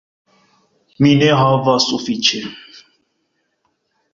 Mi ne havas sufiĉe.